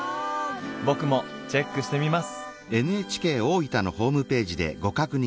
僕もチェックしてみます！